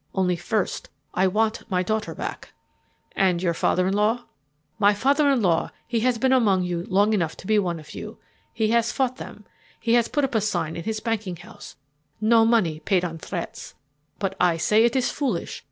Only first I want my daughter back." "And your father in law?" "My father in law, he has been among you long enough to be one of you. He has fought them. He has put up a sign in his banking house, 'No money paid on threats.' But I say it is foolish.